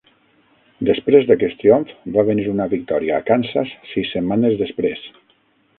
Després d'aquest triomf, va venir una victòria a Kansas sis setmanes després.